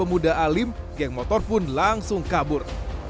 pemuda alim geng motor pun langsung kabur